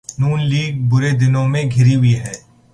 نون لیگ برے دنوں میں گھری ہوئی ہے۔